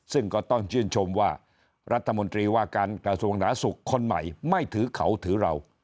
ซึ่งก็ต้องชื่นชมว่ารัฐมนตรีว่าการกระทรวงหนาสุขคนใหม่ไม่ถือเขาถือเรา